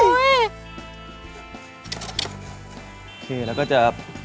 โอเคแล้วก็จะ